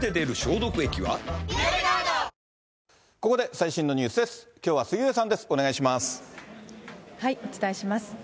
ここで最新のニュースです。